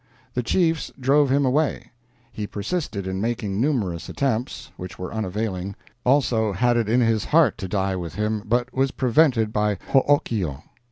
The chiefs drove him away. He persisted in making numerous attempts, which were unavailing, also had it in his heart to die with him, but was prevented by Hookio.